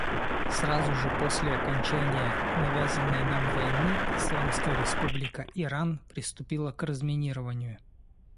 Сразу же после окончания навязанной нам войны Исламская Республика Иран приступила к разминированию.